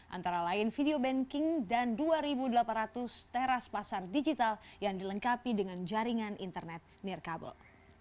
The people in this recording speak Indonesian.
antara lain video banking dan dua delapan ratus teras pasar digital yang dilengkapi dengan jaringan internet nirkabel